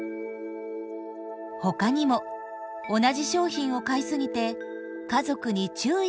ほかにも同じ商品を買いすぎて家族に注意されるという悩みも。